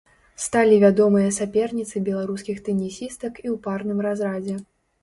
Сталі вядомыя саперніцы беларускіх тэнісістак і ў парным разрадзе.